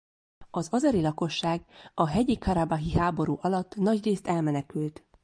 Az azeri lakosság a hegyi-karabahi háború alatt nagyrészt elmenekült.